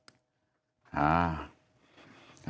อืม